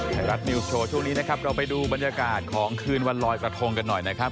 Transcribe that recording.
ไทยรัฐนิวสโชว์ช่วงนี้นะครับเราไปดูบรรยากาศของคืนวันลอยกระทงกันหน่อยนะครับ